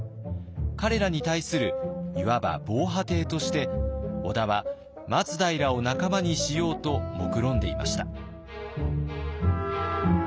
彼らに対するいわば防波堤として織田は松平を仲間にしようともくろんでいました。